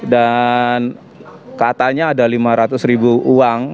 dan katanya ada lima ratus ribu uang